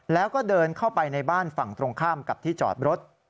แล้วก็เดินเข้าไปในบ้านฝั่งตรงข้ามกับที่จอดรถ